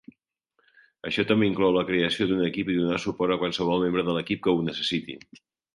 Això també inclou la creació d'un equip i donar suport a qualsevol membre de l'equip quan ho necessiti.